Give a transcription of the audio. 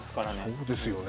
そうですよね。